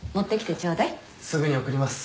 すぐに送ります。